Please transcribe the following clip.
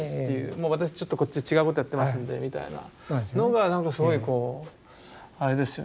もう私ちょっとこっちで違うことやってますみたいなのが何かすごいこうあれですよね。